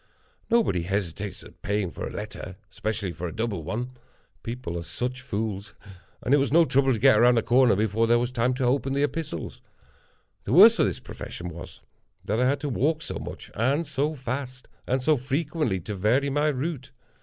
Nobody hesitates at paying for a letter—especially for a double one—people are such fools—and it was no trouble to get round a corner before there was time to open the epistles. The worst of this profession was, that I had to walk so much and so fast; and so frequently to vary my route.